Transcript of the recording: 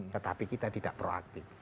tetapi kita tidak proaktif